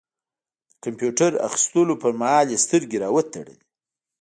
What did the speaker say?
د کمپيوټر اخيستلو پر مهال يې سترګې را وتړلې.